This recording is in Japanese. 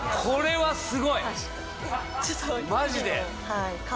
これはすごい！